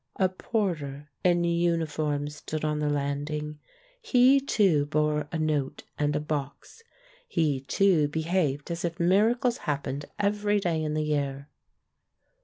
A porter in uniform stood on the landing. He, too, bore a note and a box; he, too, behaved as if miracles happened every day in the year.